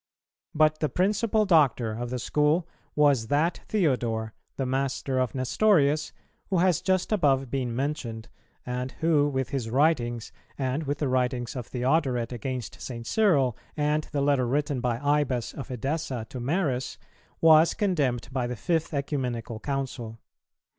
But the principal doctor of the School was that Theodore, the master of Nestorius, who has just above been mentioned, and who, with his writings, and with the writings of Theodoret against St. Cyril, and the letter written by Ibas of Edessa to Maris, was condemned by the fifth Ecumenical Council.